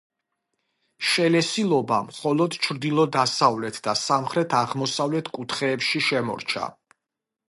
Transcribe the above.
შელესილობა მხოლოდ ჩრდილო-დასავლეთ და სამხრეთ-აღმოსავლეთ კუთხეებში შემორჩა.